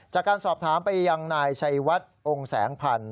จากการสอบถามไปยังนายชัยวัดองค์แสงพันธ์